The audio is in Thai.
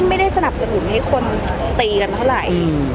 ไม่ได้สนับสนุนให้คนตีกันเท่าไหร่